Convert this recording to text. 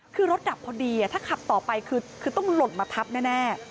คือรถดับพอดีถ้าขับต่อไปคือต้องหล่นมาทับแน่